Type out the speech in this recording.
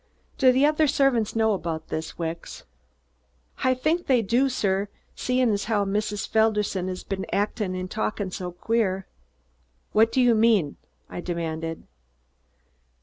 "Do the other servants know about this, Wicks?" "Hi think they do, sir, seein' as 'ow Mrs. Felderson 'as been actin' and talkin' so queer." "What do you mean?" I demanded.